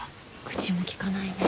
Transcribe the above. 口もきかないね。